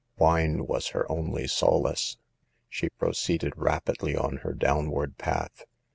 Wine was her only solace. She proceeded rapidly on her downward path.